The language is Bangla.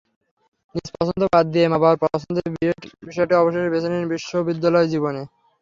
নিজ পছন্দ বাদ দিয়ে মা-বাবার পছন্দের বিষয়টাই অবশেষে বেছে নিলেন বিশ্ববিদ্যালয়জীবনে।